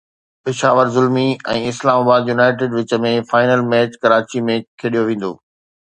Peshawar Zalmi ۽ Islamabad United وچ ۾ final match Karachi ۾ کيڏيو ويندو